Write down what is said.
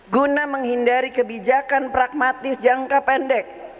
guna menghindari kebijakan pragmatis jangka pendek